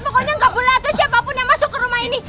pokoknya nggak boleh ada siapapun yang masuk ke rumah ini